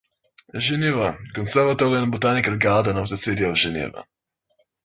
Geneva: Conservatory and Botanical Garden of the City of Geneva.